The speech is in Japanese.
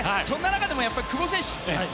そんな中でも久保選手。